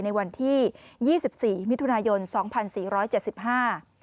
ในวันที่ยี่สิบสี่มิถุนายนสองพันสี่ร้อยเจ็ดสิบห้า